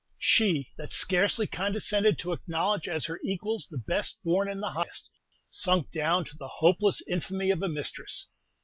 She, that scarcely condescended to acknowledge as her equals the best born and the highest, sunk down to the hopeless infamy of a mistress.